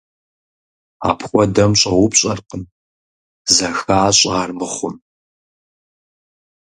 Апхуэдэм щӏэупщӏэркъым, зэхащӏэ армыхъум.